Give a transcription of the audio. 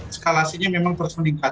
eskalasinya memang terus meningkat